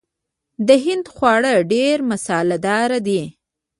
د هند خواړه ډیر مساله دار دي.